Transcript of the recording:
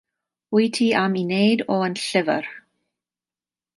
Wyt ti am ei wneud o yn llyfr?